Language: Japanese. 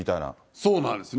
そうなんですね。